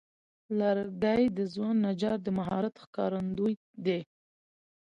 لرګی د ځوان نجار د مهارت ښکارندوی دی.